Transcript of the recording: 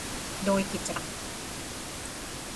โดยกิจกรรม